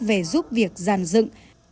về giúp việc gian dựng